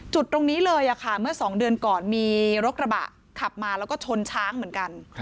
จุดตรงนี้เลยค่ะเมื่อ๒เดือนก่อนมีรถกระบะขับมาแล้วก็ชนช้างเหมือนกัน